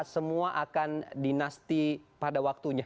semua akan dinasti pada waktunya